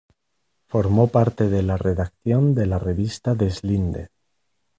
Formó parte de la redacción de la revista "Deslinde".